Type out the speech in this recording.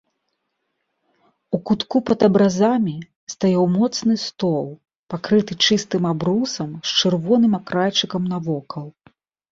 У кутку пад абразамі стаяў моцны стол, пакрыты чыстым абрусам з чырвоным акрайчыкам навакол.